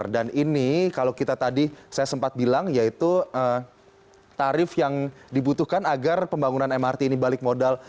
dan ini kalau kita tadi saya sempat bilang yaitu tarif yang dibutuhkan agar pembangunan mrt ini balik modal